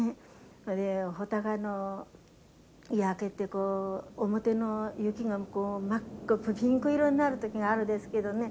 それで穂高の焼けてこう表の雪がこうピンク色になる時があるですけどね